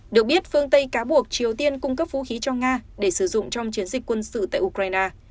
được biết phương tây cáo buộc triều tiên cung cấp vũ khí cho nga để sử dụng trong chiến dịch quân sự tại ukraine